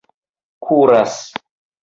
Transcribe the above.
kuras